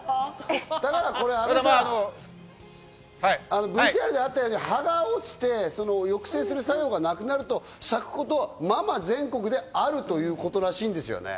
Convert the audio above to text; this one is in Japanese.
だからこれ阿部さん、ＶＴＲであったように葉が落ちて、抑制する作用がなくなると咲くことはまま全国であるということらしいんですよね。